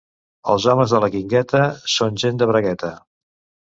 Els homes de la Guingueta són gent de bragueta.